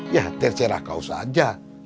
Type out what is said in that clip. ya terserah kau saja